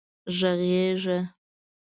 غږېږه